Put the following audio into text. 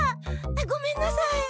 ごめんなさい。